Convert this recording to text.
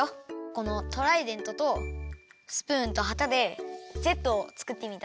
このトライデントとスプーンとはたでＺを作ってみた。